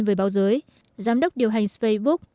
với báo giới giám đốc điều hành facebook